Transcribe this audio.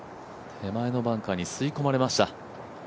手前のバンカーに吸い込まれました。